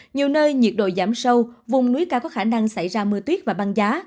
nhiều nơi nhiệt độ giảm sâu vùng núi cao có khả năng xảy ra mưa tuyết và băng giá